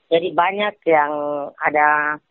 jadi banyak yang ada